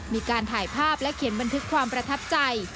มีการถ่ายภาพและเขียนบันทึกความประทับใจ